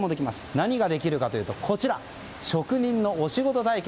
何ができるかというと職人のお仕事体験。